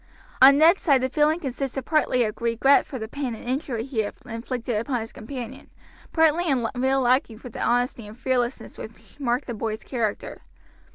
On Ned's side the feeling consisted partly of regret for the pain and injury he had inflicted upon his companion, partly in real liking for the honesty and fearlessness which marked the boy's character.